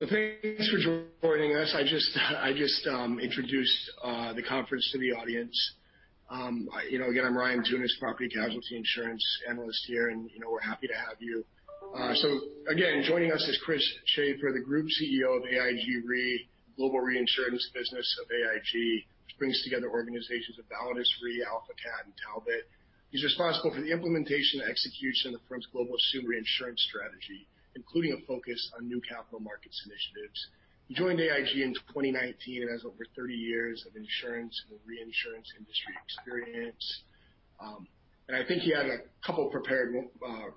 Well, thanks for joining us. I just introduced the conference to the audience. Again, I'm Ryan Tunis, property casualty insurance analyst here, and we're happy to have you. Joining us is Chris Schaper, the group CEO of AIG Re, global reinsurance business of AIG, which brings together organizations of Validus Re, AlphaCat, and Talbot. He is responsible for the implementation and execution of the firm's global assumed reinsurance strategy, including a focus on new capital markets initiatives. He joined AIG in 2019 and has over 30 years of insurance and reinsurance industry experience. I think he had a couple prepared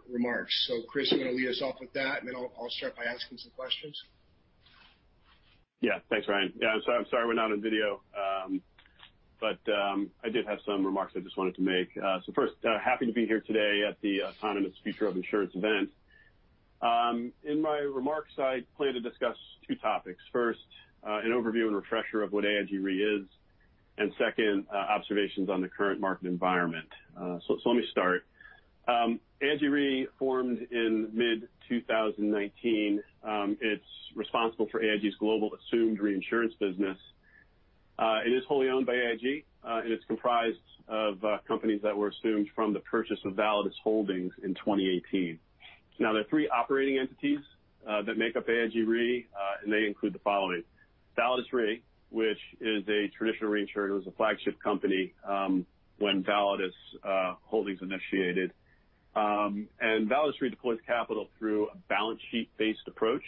remarks. Chris, you want to lead us off with that, and then I'll start by asking some questions. Thanks, Ryan. I'm sorry we're not on video. I did have some remarks I just wanted to make. First, happy to be here today at the Autonomous Future of Insurance Conference. In my remarks, I plan to discuss two topics. First, an overview and refresher of what AIG Re is, and second, observations on the current market environment. Let me start. AIG Re formed in mid 2019. It is responsible for AIG's global assumed reinsurance business. It is wholly owned by AIG, and it is comprised of companies that were assumed from the purchase of Validus Holdings in 2018. Now, there are three operating entities that make up AIG Re, and they include the following. Validus Re, which is a traditional reinsurer. It was a flagship company when Validus Holdings initiated. Validus Re deploys capital through a balance sheet-based approach,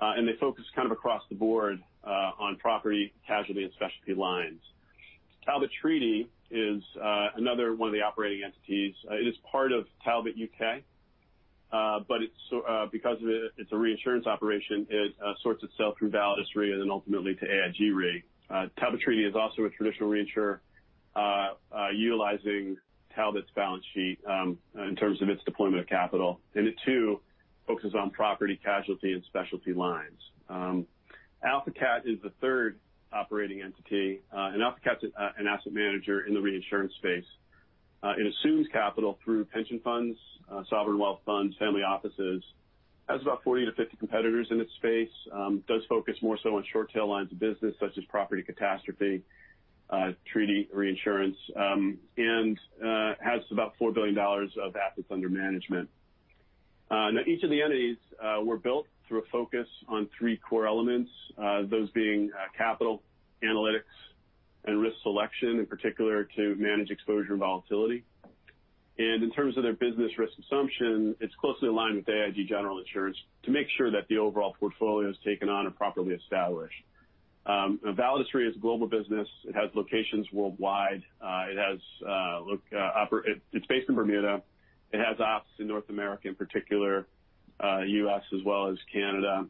and they focus kind of across the board on property, casualty, and specialty lines. Talbot Treaty is another one of the operating entities. It is part of Talbot UK, but because it is a reinsurance operation, it sorts itself through Validus Re and ultimately to AIG Re. Talbot Treaty is also a traditional reinsurer utilizing Talbot's balance sheet in terms of its deployment of capital, and it too focuses on property, casualty, and specialty lines. AlphaCat is the third operating entity, and AlphaCat's an asset manager in the reinsurance space. It assumes capital through pension funds, sovereign wealth funds, family offices. Has about 40 to 50 competitors in its space. Does focus more so on short tail lines of business such as property catastrophe, treaty reinsurance, and has about $4 billion of assets under management. Now, each of the entities were built through a focus on three core elements, those being capital, analytics, and risk selection, in particular to manage exposure and volatility. In terms of their business risk assumption, it is closely aligned with AIG General Insurance to make sure that the overall portfolio is taken on and properly established. Now, Validus Re is a global business. It has locations worldwide. It is based in Bermuda. It has offices in North America, in particular, U.S. as well as Canada.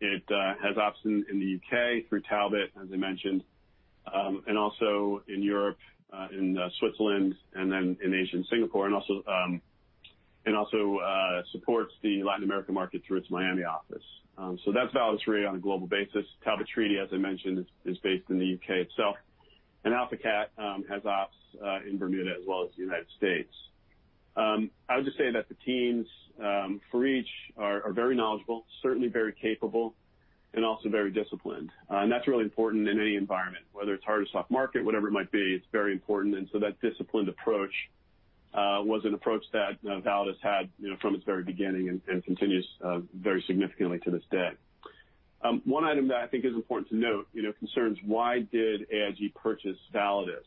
It has offices in the U.K. through Talbot, as I mentioned, and also in Europe, in Switzerland, and in Asia and Singapore, and also supports the Latin American market through its Miami office. That is Validus Re on a global basis. Talbot Treaty, as I mentioned, is based in the U.K. itself. AlphaCat has offices in Bermuda as well as the United States. I would just say that the teams for each are very knowledgeable, certainly very capable, and also very disciplined. That's really important in any environment, whether it's hard or soft market, whatever it might be, it's very important. That disciplined approach was an approach that Validus had from its very beginning and continues very significantly to this day. One item that I think is important to note concerns why did AIG purchase Validus?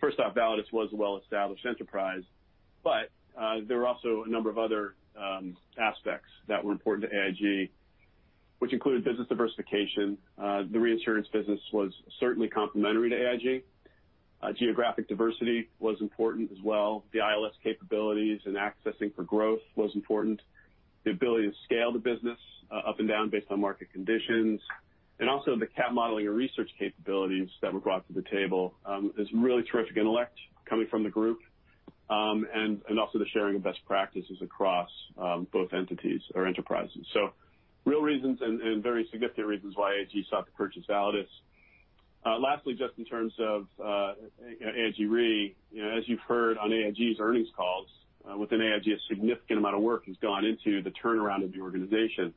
First off, Validus was a well-established enterprise, but there were also a number of other aspects that were important to AIG, which included business diversification. The reinsurance business was certainly complementary to AIG. Geographic diversity was important as well. The ILS capabilities and accessing for growth was important. The ability to scale the business up and down based on market conditions, and also the cat modeling and research capabilities that were brought to the table. There's really terrific intellect coming from the group, and also the sharing of best practices across both entities or enterprises. Real reasons and very significant reasons why AIG sought to purchase Validus. Lastly, just in terms of AIG Re, as you've heard on AIG's earnings calls, within AIG, a significant amount of work has gone into the turnaround of the organization.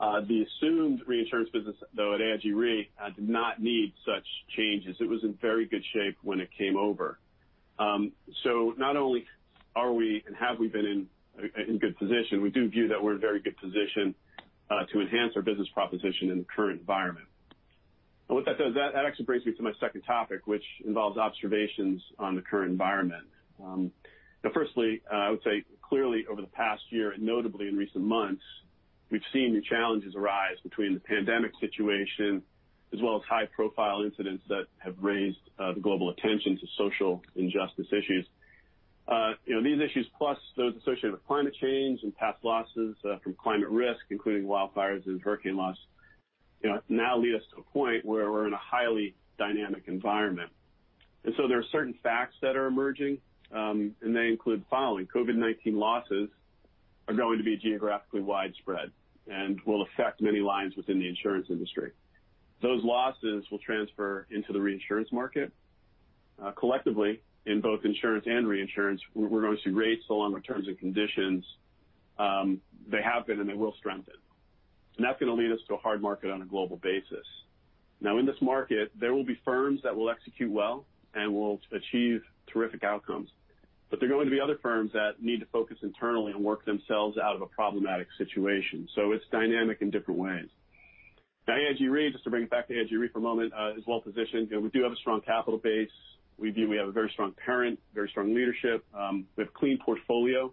The assumed reinsurance business, though, at AIG Re did not need such changes. It was in very good shape when it came over. Not only are we and have we been in good position, we do view that we're in a very good position to enhance our business proposition in the current environment. With that said, that actually brings me to my second topic, which involves observations on the current environment. Firstly, I would say clearly over the past year, and notably in recent months, we've seen new challenges arise between the pandemic situation as well as high-profile incidents that have raised the global attention to social injustice issues. These issues, plus those associated with climate change and past losses from climate risk, including wildfires and hurricane loss, now lead us to a point where we're in a highly dynamic environment. There are certain facts that are emerging, and they include the following. COVID-19 losses are going to be geographically widespread and will affect many lines within the insurance industry. Those losses will transfer into the reinsurance market Collectively, in both insurance and reinsurance, we're going to see rates along with terms and conditions. They have been, and they will strengthen. That's going to lead us to a hard market on a global basis. In this market, there will be firms that will execute well and will achieve terrific outcomes, but there are going to be other firms that need to focus internally and work themselves out of a problematic situation. It's dynamic in different ways. AIG Re, just to bring it back to AIG Re for a moment, is well-positioned. We do have a strong capital base. We view we have a very strong parent, very strong leadership. We have a clean portfolio,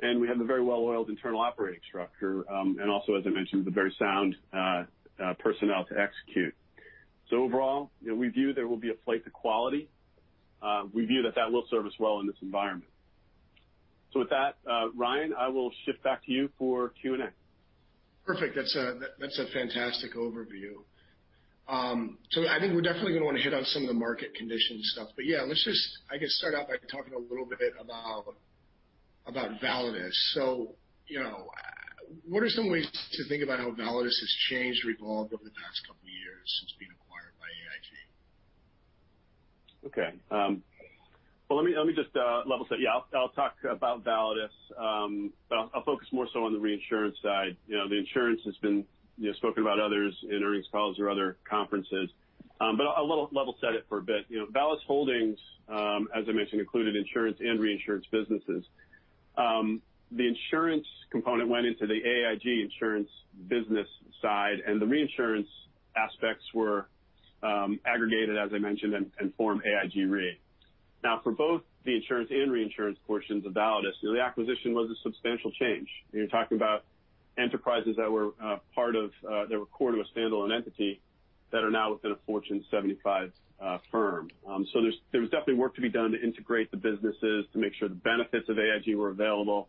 and we have a very well-oiled internal operating structure, and also, as I mentioned, with a very sound personnel to execute. Overall, we view there will be a flight to quality. We view that that will serve us well in this environment. With that, Ryan, I will shift back to you for Q&A. Perfect. That's a fantastic overview. I think we're definitely going to want to hit on some of the market condition stuff. Yeah, let's just, I guess, start out by talking a little bit about Validus. What are some ways to think about how Validus has changed or evolved over the past couple of years since being acquired by AIG? Okay. Well, let me just level set. Yeah, I'll talk about Validus, but I'll focus more so on the reinsurance side. The insurance has been spoken about others in earnings calls or other conferences. I'll level set it for a bit. Validus Holdings, as I mentioned, included insurance and reinsurance businesses. The insurance component went into the AIG insurance business side, and the reinsurance aspects were aggregated, as I mentioned, and form AIG Re. For both the insurance and reinsurance portions of Validus, the acquisition was a substantial change. You're talking about enterprises that were core to a standalone entity that are now within a Fortune 75 firm. There was definitely work to be done to integrate the businesses to make sure the benefits of AIG were available,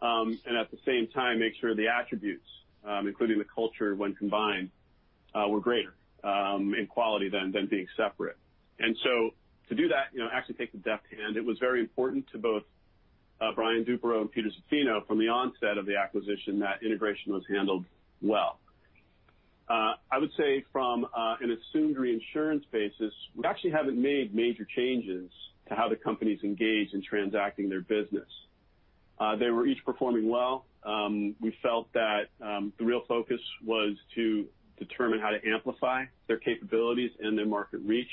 and at the same time, make sure the attributes, including the culture when combined, were greater in quality than being separate. To do that, actually take the deft hand, it was very important to both Brian Duperrault and Peter Zaffino from the onset of the acquisition that integration was handled well. I would say from an assumed reinsurance basis, we actually haven't made major changes to how the companies engage in transacting their business. They were each performing well. We felt that the real focus was to determine how to amplify their capabilities and their market reach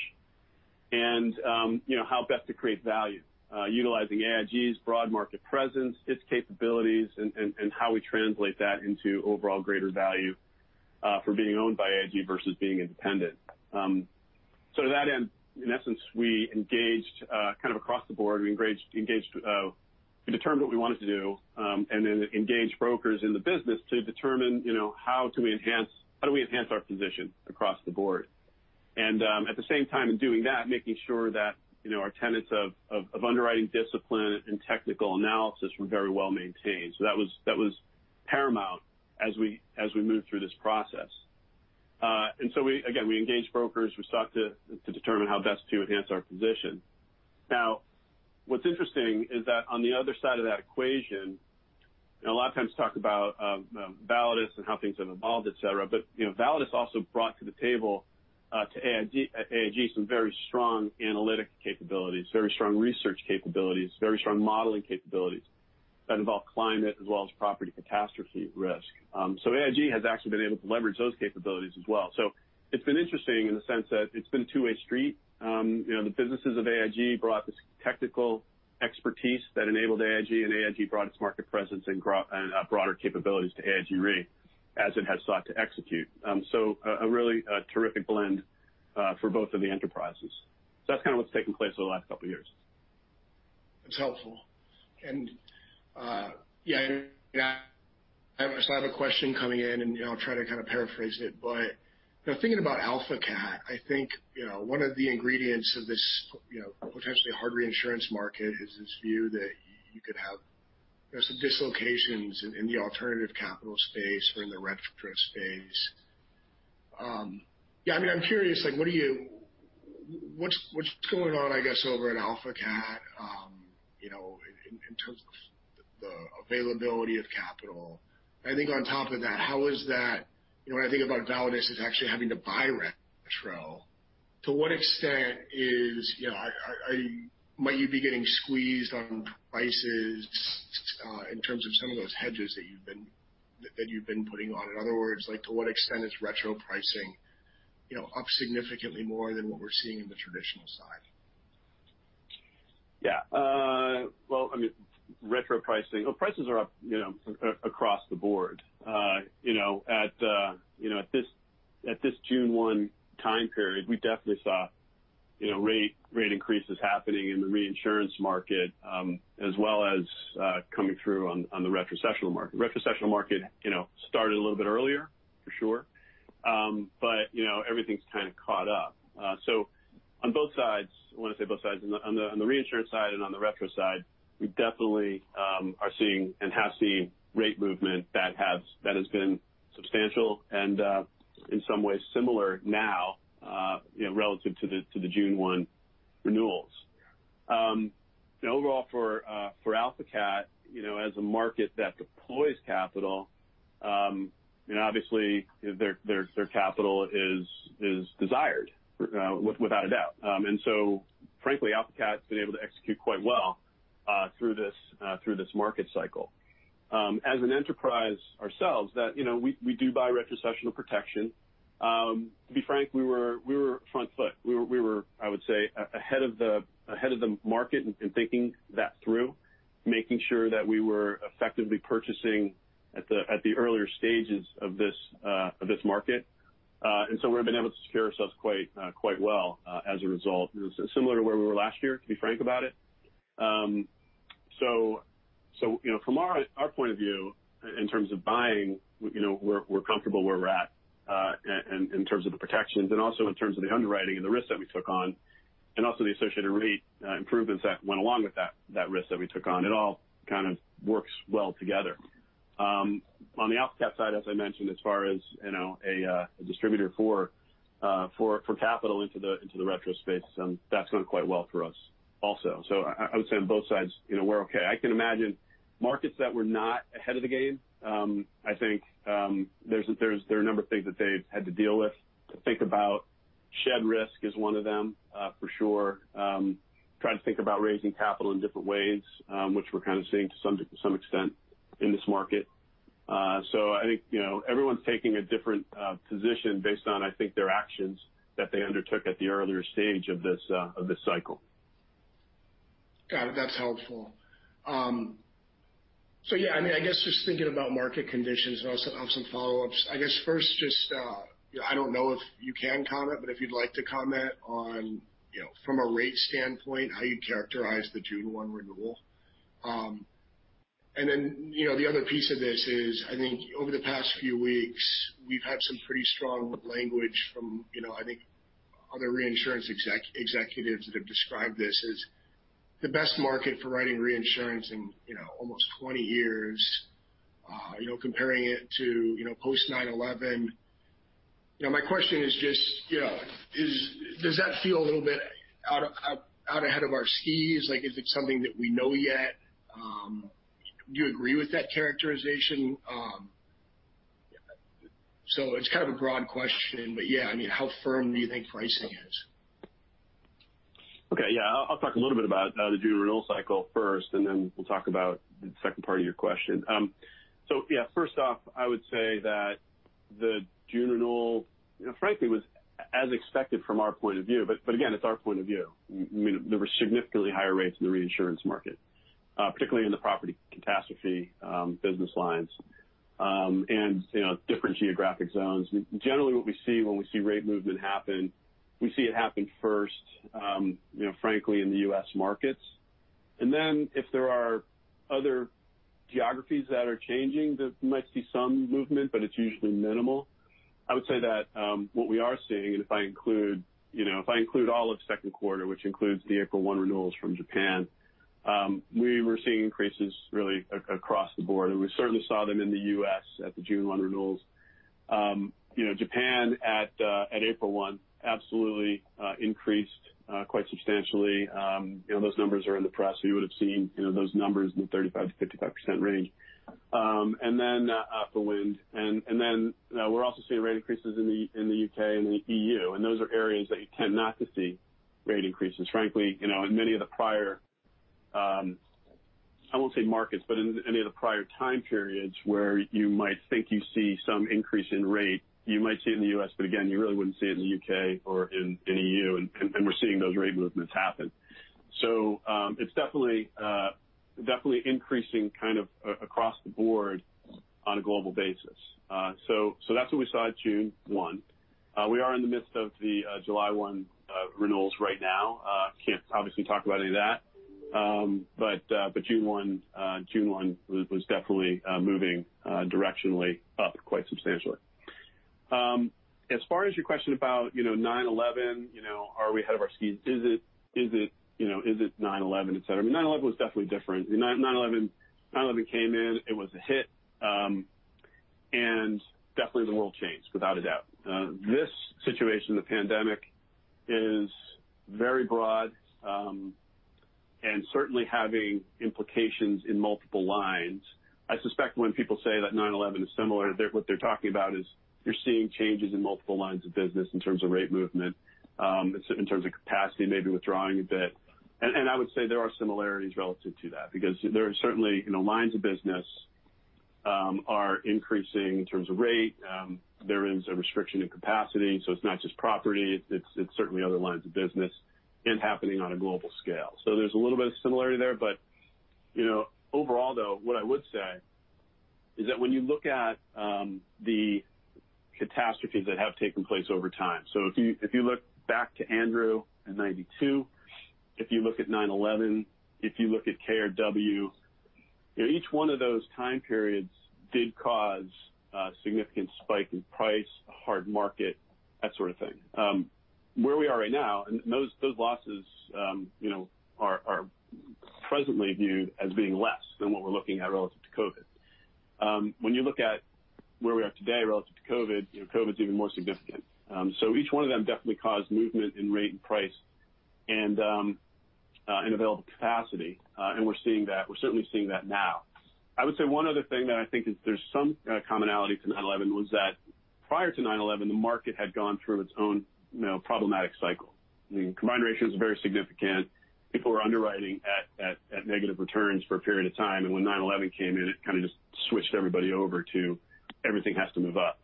and how best to create value utilizing AIG's broad market presence, its capabilities, and how we translate that into overall greater value for being owned by AIG versus being independent. To that end, in essence, we engaged kind of across the board. We determined what we wanted to do, and then engaged brokers in the business to determine how do we enhance our position across the board. At the same time, in doing that, making sure that our tenets of underwriting discipline and technical analysis were very well maintained. That was paramount as we moved through this process. Again, we engaged brokers. We sought to determine how best to enhance our position. Now, what's interesting is that on the other side of that equation, and a lot of times talked about Validus and how things have evolved, et cetera, but Validus also brought to the table to AIG some very strong analytic capabilities, very strong research capabilities, very strong modeling capabilities that involve climate as well as property catastrophe risk. AIG has actually been able to leverage those capabilities as well. It's been interesting in the sense that it's been a two-way street. The businesses of AIG brought this technical expertise that enabled AIG, and AIG brought its market presence and broader capabilities to AIG Re as it has sought to execute. A really terrific blend for both of the enterprises. That's kind of what's taken place over the last couple of years. That's helpful. Yeah, I have a question coming in, and I'll try to kind of paraphrase it, but thinking about AlphaCat, I think one of the ingredients of this potentially hard reinsurance market is this view that you could have some dislocations in the alternative capital space or in the retro space. Yeah, I'm curious, what's going on, I guess, over at AlphaCat in terms of the availability of capital? I think on top of that, how is that when I think about Validus as actually having to buy retro, to what extent might you be getting squeezed on prices in terms of some of those hedges that you've been putting on? In other words, to what extent is retro pricing up significantly more than what we're seeing in the traditional side? Yeah. Well, prices are up across the board. At this June one time period, we definitely saw rate increases happening in the reinsurance market as well as coming through on the retrocessional market. Retrocessional market started a little bit earlier, for sure. Everything's kind of caught up. On both sides, I want to say both sides, on the reinsurance side and on the retro side, we definitely are seeing and have seen rate movement that has been substantial and in some ways similar now relative to the June one renewals. Overall for AlphaCat, as a market that deploys capital, obviously their capital is desired, without a doubt. Frankly, AlphaCat's been able to execute quite well through this market cycle. As an enterprise ourselves that we do buy retrocessional protection. To be frank, we were front foot. We were, I would say, ahead of the market in thinking that through, making sure that we were effectively purchasing at the earlier stages of this market. We've been able to secure ourselves quite well as a result. It's similar to where we were last year, to be frank about it. From our point of view in terms of buying, we're comfortable where we're at in terms of the protections and also in terms of the underwriting and the risk that we took on, and also the associated rate improvements that went along with that risk that we took on. It all kind of works well together. On the AlphaCat side, as I mentioned, as far as a distributor for capital into the retro space, that's going quite well for us also. I would say on both sides, we're okay. I can imagine markets that were not ahead of the game, I think there are a number of things that they've had to deal with, to think about. Shed risk is one of them, for sure. Trying to think about raising capital in different ways, which we're kind of seeing to some extent in this market. I think everyone's taking a different position based on, I think, their actions that they undertook at the earlier stage of this cycle. Got it. That's helpful. Yeah, I guess just thinking about market conditions and also on some follow-ups. I guess first just, I don't know if you can comment, but if you'd like to comment on from a rate standpoint, how you'd characterize the June 1 renewal. The other piece of this is, I think over the past few weeks, we've had some pretty strong language from I think other reinsurance executives that have described this as the best market for writing reinsurance in almost 20 years, comparing it to post 9/11. My question is just does that feel a little bit out ahead of our skis? Is it something that we know yet? Do you agree with that characterization? It's kind of a broad question, but yeah. How firm do you think pricing is? Okay. Yeah. I'll talk a little bit about the June renewal cycle first. We'll talk about the second part of your question. Yeah, first off, I would say that the June renewal, frankly, was as expected from our point of view. Again, it's our point of view. There were significantly higher rates in the reinsurance market, particularly in the property catastrophe business lines, and different geographic zones. Generally what we see when we see rate movement happen, we see it happen first, frankly, in the U.S. markets. If there are other geographies that are changing, there might see some movement, but it's usually minimal. I would say that what we are seeing, and if I include all of second quarter, which includes the April 1 renewals from Japan, we were seeing increases really across the board. We certainly saw them in the U.S. at the June 1 renewals. Japan at April 1 absolutely increased quite substantially. Those numbers are in the press, so you would've seen those numbers in the 35%-55% range. Up the wind. We're also seeing rate increases in the U.K. and the EU, and those are areas that you tend not to see rate increases. Frankly, in many of the prior, I won't say markets, but in any of the prior time periods where you might think you see some increase in rate, you might see it in the U.S. but again, you really wouldn't see it in the U.K. or in EU. We're seeing those rate movements happen. It's definitely increasing across the board on a global basis. That's what we saw at June 1. We are in the midst of the July 1 renewals right now. Can't obviously talk about any of that. June 1 was definitely moving directionally up quite substantially. As far as your question about 9/11, are we ahead of our skis? Is it 9/11, et cetera? 9/11 was definitely different. 9/11 came in, it was a hit, and definitely the world changed, without a doubt. This situation, the pandemic, is very broad, and certainly having implications in multiple lines. I suspect when people say that 9/11 is similar, what they're talking about is you're seeing changes in multiple lines of business in terms of rate movement, in terms of capacity, maybe withdrawing a bit. I would say there are similarities relative to that because there are certainly lines of business are increasing in terms of rate. There is a restriction in capacity. It's not just property, it's certainly other lines of business and happening on a global scale. There's a little bit of similarity there. Overall though, what I would say is that when you look at the catastrophes that have taken place over time, so if you look back to Andrew in 1992, if you look at 9/11, if you look at KRW, each one of those time periods did cause a significant spike in price, a hard market, that sort of thing. Where we are right now, and those losses are presently viewed as being less than what we're looking at relative to COVID. When you look at where we are today relative to COVID's even more significant. Each one of them definitely caused movement in rate and price and in available capacity, and we're certainly seeing that now. I would say one other thing that I think there's some commonality to 9/11 was that prior to 9/11, the market had gone through its own problematic cycle. Combined ratio was very significant. People were underwriting at negative returns for a period of time, when 9/11 came in, it kind of just switched everybody over to everything has to move up.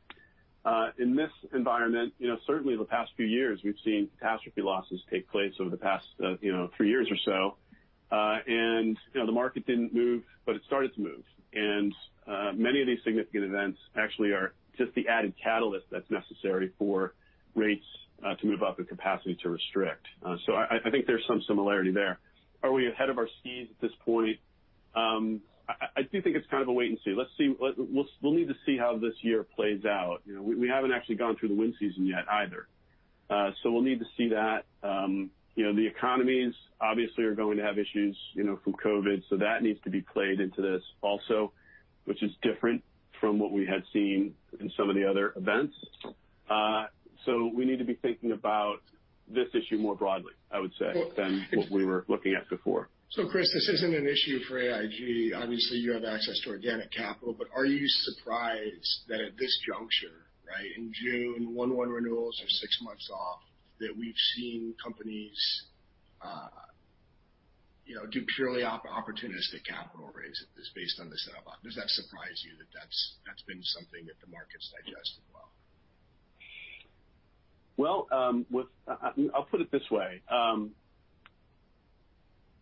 In this environment, certainly the past few years, we've seen catastrophe losses take place over the past three years or so. The market didn't move, but it started to move. Many of these significant events actually are just the added catalyst that's necessary for rates to move up and capacity to restrict. I think there's some similarity there. Are we ahead of our skis at this point? I do think it's kind of a wait and see. We'll need to see how this year plays out. We haven't actually gone through the wind season yet either. We'll need to see that. The economies obviously are going to have issues from COVID, that needs to be played into this also, which is different from what we had seen in some of the other events. We need to be thinking about this issue more broadly, I would say- Well- -than what we were looking at before. Chris, this isn't an issue for AIG. Obviously, you have access to organic capital, but are you surprised that at this juncture, in June, 1/1 renewals are 6 months off, that we've seen companies do purely opportunistic capital raises based on this setup? Does that surprise you that that's been something that the market's digested well? Well, I'll put it this way.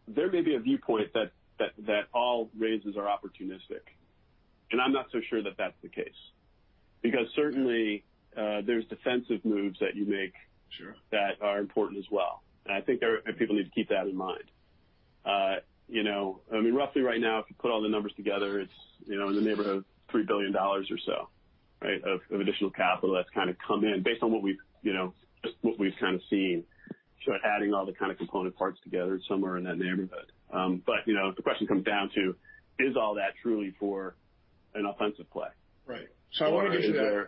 There may be a viewpoint that all raises are opportunistic, and I'm not so sure that that's the case. Because certainly, there's defensive moves that you make- Sure that are important as well. I think people need to keep that in mind. Roughly right now, if you put all the numbers together, it's in the neighborhood of $3 billion or so of additional capital that's come in based on what we've seen. Sure. Adding all the component parts together, it's somewhere in that neighborhood. The question comes down to, is all that truly for an offensive play? Right. I want to get to that.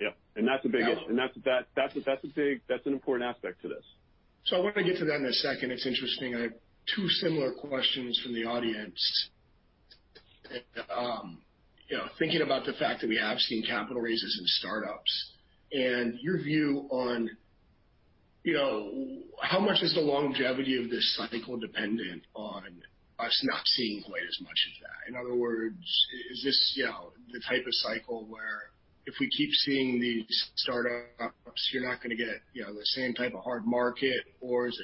Yep. That's the biggest- Yeah That's an important aspect to this. I wanted to get to that in a second. It's interesting, I have two similar questions from the audience. Thinking about the fact that we have seen capital raises in startups and your view on how much is the longevity of this cycle dependent on us not seeing quite as much as that. In other words, is this the type of cycle where if we keep seeing these startups, you're not going to get the same type of hard market? Or is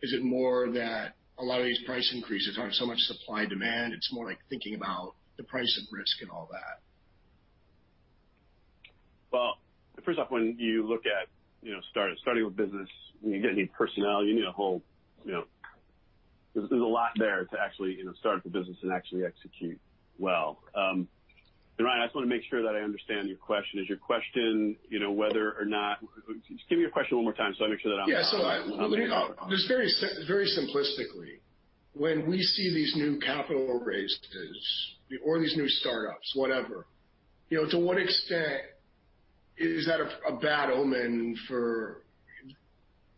it more that a lot of these price increases aren't so much supply and demand, it's more like thinking about the price of risk and all that? Well, first off, when you look at starting a business, you're going to need personnel, There's a lot there to actually start the business and actually execute well. Ryan, I just want to make sure that I understand your question. Just give me your question one more time so I make sure. Yeah. Okay. Just very simplistically, when we see these new capital raises or these new startups, whatever, to what extent is that a bad omen for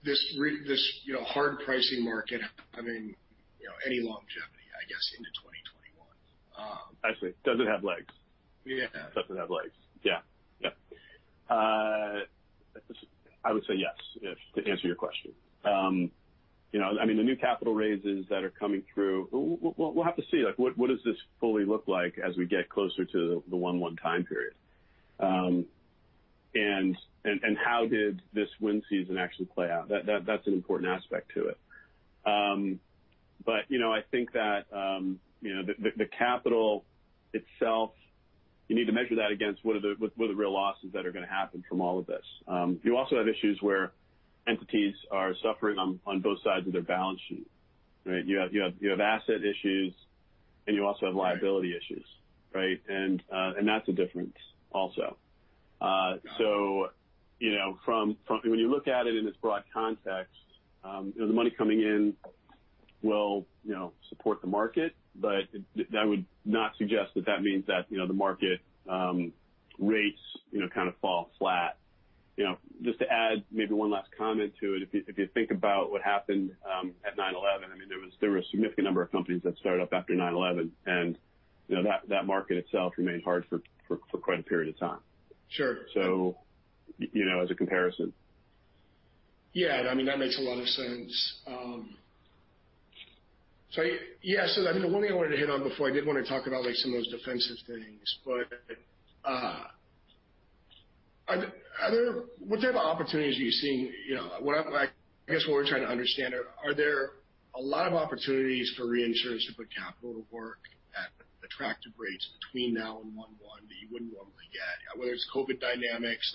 this hard pricing market having any longevity, I guess, into 2021? I see. Does it have legs? Yeah. Does it have legs? Yeah. I would say yes, to answer your question. The new capital raises that are coming through, we'll have to see, what does this fully look like as we get closer to the 1/1 time period? How did this wind season actually play out? That's an important aspect to it. I think that the capital itself, you need to measure that against what are the real losses that are going to happen from all of this? You also have issues where entities are suffering on both sides of their balance sheet. You have asset issues, and you also have liability issues. Right. That's a difference also. Got it. When you look at it in its broad context, the money coming in will support the market, that would not suggest that that means that the market rates kind of fall flat. Just to add maybe one last comment to it. If you think about what happened at 9/11, there were a significant number of companies that started up after 9/11, and that market itself remained hard for quite a period of time. Sure. As a comparison. That makes a lot of sense. The one thing I wanted to hit on before, I did want to talk about some of those defensive things. What type of opportunities are you seeing? I guess what we're trying to understand are there a lot of opportunities for reinsurers to put capital to work at attractive rates between now and 1/1 that you wouldn't normally get? Whether it's COVID dynamics,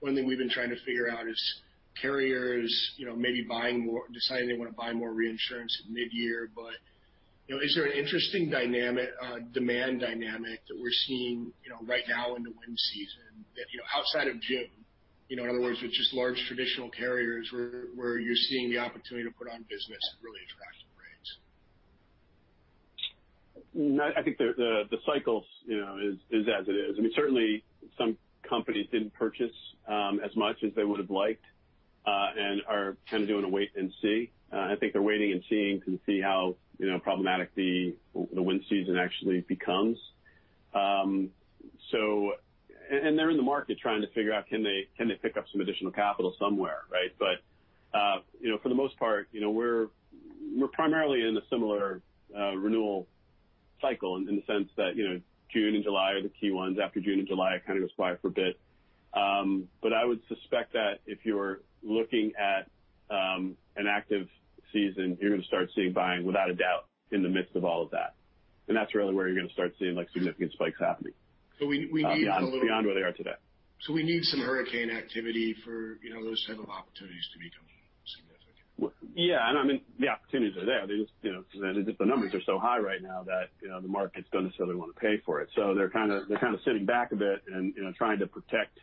one thing we've been trying to figure out is carriers deciding they want to buy more reinsurance mid-year. Is there an interesting demand dynamic that we're seeing right now in the wind season outside of June? In other words, with just large traditional carriers where you're seeing the opportunity to put on business at really attractive rates. I think the cycle is as it is. Certainly, some companies didn't purchase as much as they would've liked and are kind of doing a wait and see. I think they're waiting and seeing to see how problematic the wind season actually becomes. They're in the market trying to figure out can they pick up some additional capital somewhere, right? For the most part, we're primarily in a similar renewal cycle in the sense that June and July are the key ones. After June and July, it kind of goes quiet for a bit. I would suspect that if you're looking at an active season, you're going to start seeing buying without a doubt in the midst of all of that. That's really where you're going to start seeing significant spikes happening. we need a little Beyond where they are today. We need some hurricane activity for those type of opportunities to become significant. Yeah. The opportunities are there. The numbers are so high right now that the market doesn't necessarily want to pay for it. They're kind of sitting back a bit and trying to protect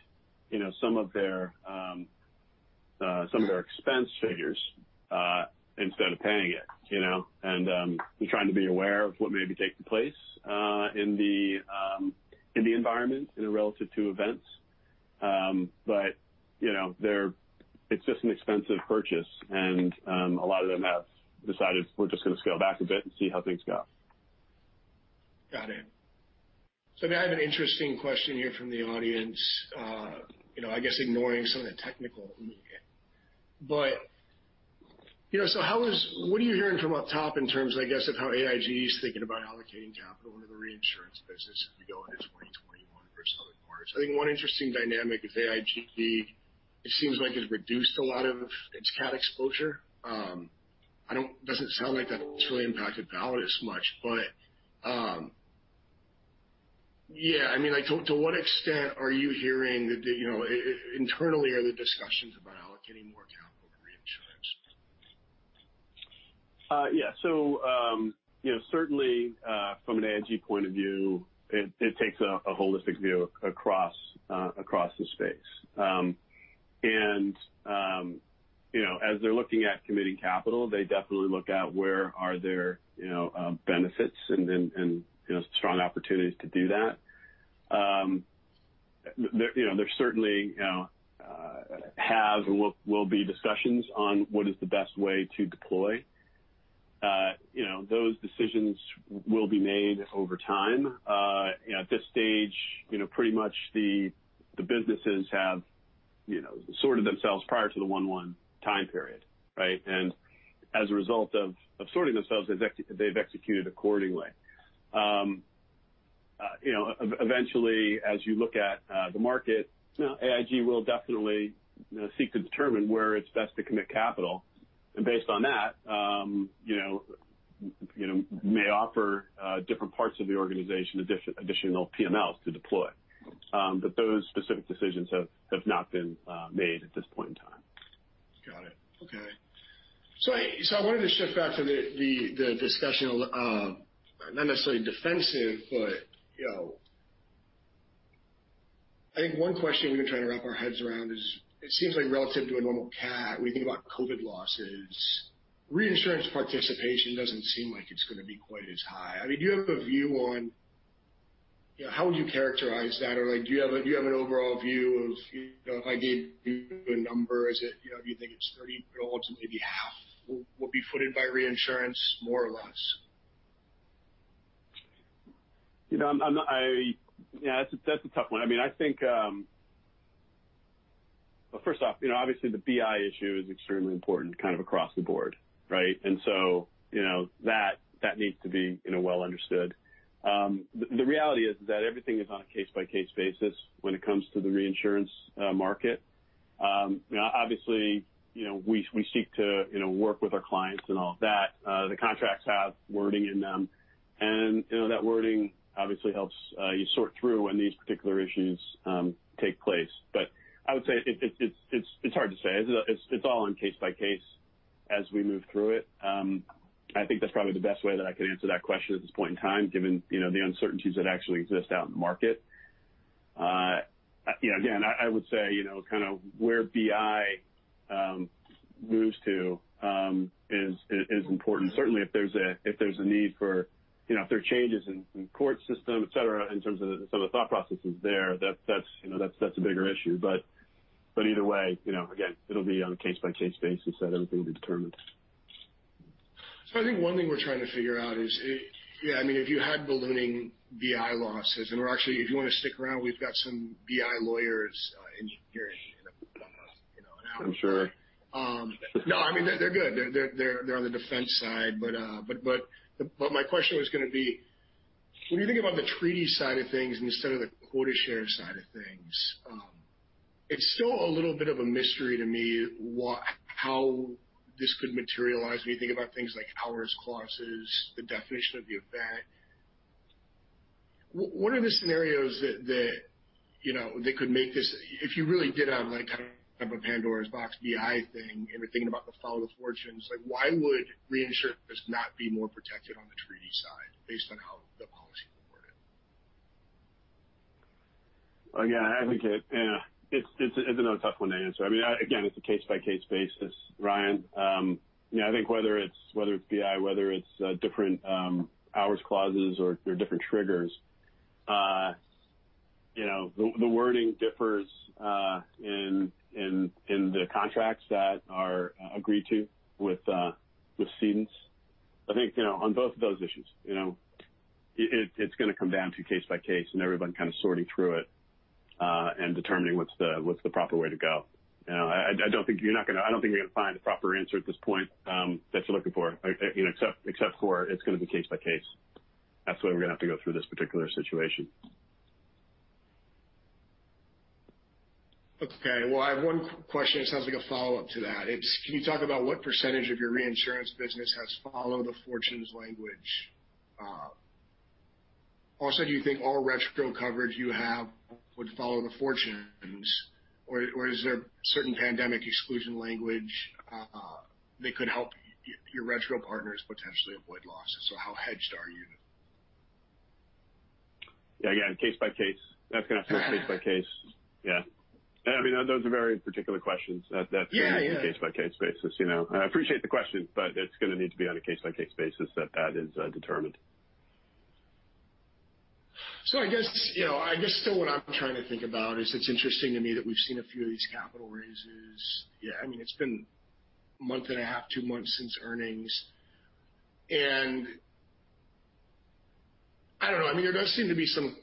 some of their expense figures instead of paying it, and trying to be aware of what may be taking place in the environment and relative to events. It's just an expensive purchase, and a lot of them have decided, we're just going to scale back a bit and see how things go. Now I have an interesting question here from the audience. I guess ignoring some of the technical nitty-gritty, what are you hearing from up top in terms, I guess, of how AIG is thinking about allocating capital into the reinsurance business as we go into 2021 versus other quarters? I think one interesting dynamic is AIG, it seems like has reduced a lot of its cat exposure. It doesn't sound like that's really impacted Validus as much. To what extent are you hearing internally, are there discussions about allocating more capital to reinsurance? Certainly, from an AIG point of view, it takes a holistic view across the space. As they're looking at committing capital, they definitely look at where are there benefits and strong opportunities to do that. There certainly have and will be discussions on what is the best way to deploy. Those decisions will be made over time. At this stage, pretty much the businesses have sorted themselves prior to the 1/1 time period, right? As a result of sorting themselves, they've executed accordingly. Eventually, as you look at the market, AIG will definitely seek to determine where it's best to commit capital, and based on that may offer different parts of the organization additional PMLs to deploy. Those specific decisions have not been made at this point in time. I wanted to shift back to the discussion, not necessarily defensive, but I think one question we've been trying to wrap our heads around is, it seems like relative to a normal cat, when you think about COVID losses, reinsurance participation doesn't seem like it's going to be quite as high. Do you have a view on how would you characterize that? Or do you have an overall view of if I gave you a number, do you think it's 30% to maybe half will be footed by reinsurance, more or less? That's a tough one. First off, obviously the BI issue is extremely important kind of across the board, right? That needs to be well understood. The reality is that everything is on a case-by-case basis when it comes to the reinsurance market. Obviously, we seek to work with our clients and all of that. The contracts have wording in them. That wording obviously helps you sort through when these particular issues take place. I would say it's hard to say. It's all on case by case as we move through it. I think that's probably the best way that I could answer that question at this point in time, given the uncertainties that actually exist out in the market. Again, I would say where BI moves to is important. Certainly if there are changes in court system, et cetera, in terms of some of the thought processes there, that's a bigger issue. Either way, again, it'll be on a case-by-case basis that everything will be determined. I think one thing we're trying to figure out is if you had ballooning BI losses, and we're actually, if you want to stick around, we've got some BI lawyers in here in an hour. I'm sure. No, they're good. They're on the defense side. My question was going to be, when you think about the treaty side of things instead of the quota share side of things, it's still a little bit of a mystery to me how this could materialize when you think about things like hours clause, the definition of the event. What are the scenarios that could make this, if you really did have like kind of a Pandora's box BI thing, and we're thinking about the follow the fortunes, like why would reinsurers not be more protected on the treaty side based on how the policy works? Again, I think it's another tough one to answer. Again, it's a case-by-case basis, Ryan. I think whether it's BI, whether it's different hours clause or different triggers, the wording differs in the contracts that are agreed to with cedents. I think, on both of those issues, it's going to come down to case by case, and everyone kind of sorting through it, and determining what's the proper way to go. I don't think we're going to find the proper answer at this point that you're looking for, except for it's going to be case by case. That's the way we're going to have to go through this particular situation. Okay. Well, I have one question that sounds like a follow-up to that. Can you talk about what percentage of your reinsurance business has followed the fortunes language? Also, do you think all retro coverage you have would follow the fortunes, or is there certain pandemic exclusion language that could help your retro partners potentially avoid losses? How hedged are you? Yeah. Again, case by case. That's going to have to be case by case. Yeah. Those are very particular questions. Yeah It's going to be case by case basis. I appreciate the question, it's going to need to be on a case-by-case basis that is determined. I guess still what I'm trying to think about is it's interesting to me that we've seen a few of these capital raises. It's been a month and a half, two months since earnings, and I don't know.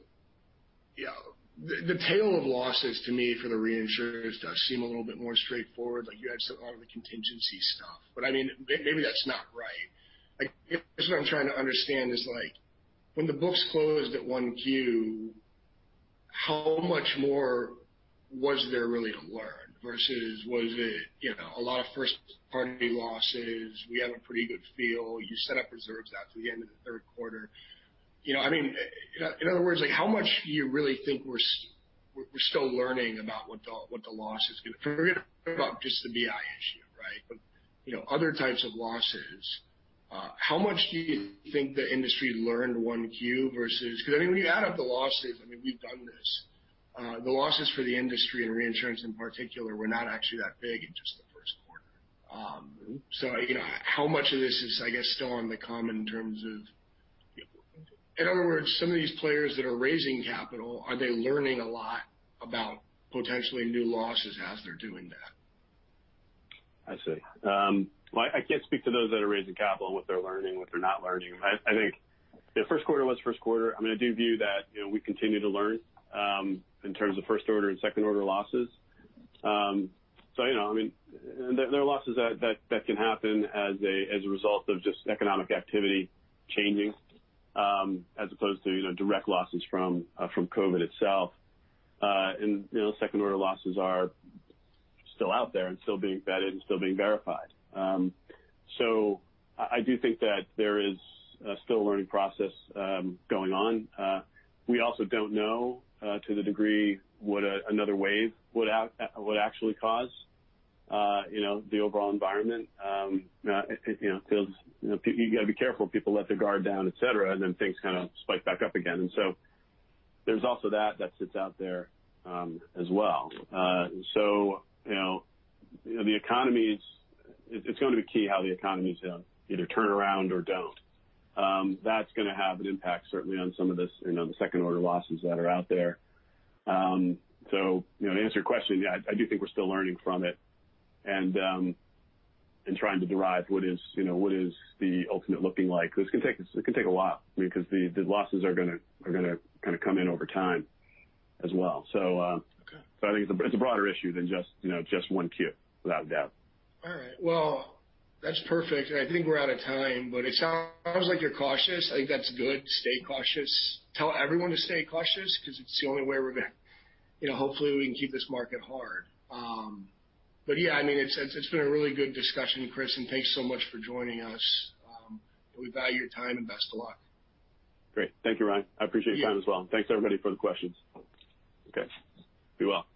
The tail of losses to me for the reinsurers does seem a little bit more straightforward, like you had some of the contingency stuff. But maybe that's not right. I guess what I'm trying to understand is, when the books closed at 1Q, how much more was there really to learn versus was it a lot of first-party losses? We have a pretty good feel. You set up reserves out to the end of the third quarter. In other words, how much do you really think we're still learning about what the loss is, forget about just the BI issue, but other types of losses. How much do you think the industry learned 1Q, because when you add up the losses, we've done this. The losses for the industry and reinsurance in particular were not actually that big in just the first quarter. How much of this is still on the come, in other words, some of these players that are raising capital, are they learning a lot about potentially new losses as they're doing that? I see. I can't speak to those that are raising capital and what they're learning, what they're not learning. I think the first quarter was the first quarter. I do view that we continue to learn in terms of first-order and second-order losses. There are losses that can happen as a result of just economic activity changing as opposed to direct losses from COVID itself. Second-order losses are still out there and still being vetted and still being verified. There's also that sits out there as well. It's going to be key how the economies either turn around or don't. That's going to have an impact certainly on some of the second-order losses that are out there. To answer your question, yeah, I do think we're still learning from it and trying to derive what is the ultimate looking like. It can take a while, the losses are going to come in over time as well. Okay. I think it's a broader issue than just 1Q, without a doubt. All right. Well, that's perfect, I think we're out of time. It sounds like you're cautious. I think that's good. Stay cautious. Tell everyone to stay cautious because it's the only way Hopefully we can keep this market hard. Yeah, it's been a really good discussion, Chris, thanks so much for joining us. We value your time and best of luck. Great. Thank you, Ryan. I appreciate your time as well, thanks, everybody, for the questions. Okay. Be well.